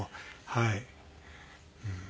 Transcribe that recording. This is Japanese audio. はい。